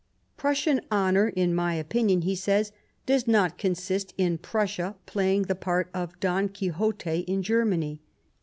" Prussian honour, in my opinion," he said, " does not consist in Prussia playing the part of Don Quixote in Germany.